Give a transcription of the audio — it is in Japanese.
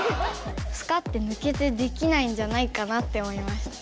スカッてぬけてできないんじゃないかなって思いました。